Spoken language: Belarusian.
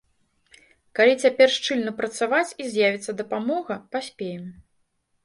Калі цяпер шчыльна працаваць і з'явіцца дапамога, паспеем.